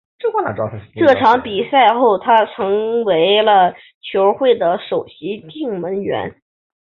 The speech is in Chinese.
这场比赛后他成为了球会的首席定门员。